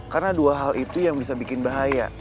karena dua hal itu yang bisa bikin bahaya